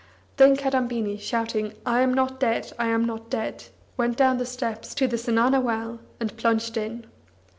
Then Kadambini, shouting "I am not dead, I am not dead," went down the steps to the zenana well, and plunged in.